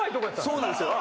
そうなんですよ。